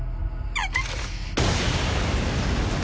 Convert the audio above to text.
あっ！